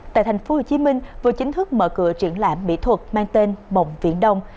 tại thành phố hồ chí minh vừa chính thức mở cửa truyện lãm mỹ thuật mang tên mộng viện đông